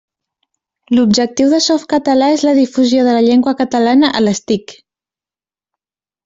L'objectiu de Softcatalà és la difusió de la llengua catalana a les TIC.